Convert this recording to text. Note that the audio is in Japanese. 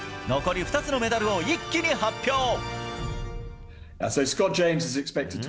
残りの２つのメダルを一気に発表。